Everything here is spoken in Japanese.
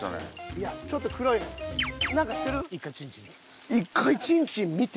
いやちょっと黒いねん何かしてる？